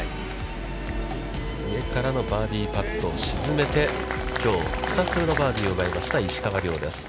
上からのバーディーパットを沈めて、きょう２つ目のバーディーを奪いました石川遼です。